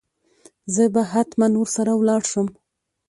زه به هتمن ور سره ولاړ شم.